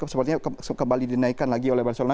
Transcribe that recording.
sepertinya kembali dinaikkan lagi oleh barcelona